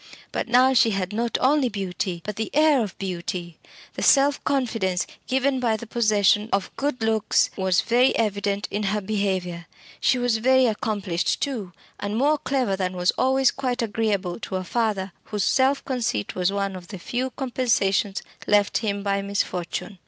But now she had not only beauty, but the air of beauty. The self confidence given by the possession of good looks was very evident in her behaviour. She was very accomplished, too, and more clever than was always quite agreeable to a father whose self conceit was one of the few compensations left him by misfortune.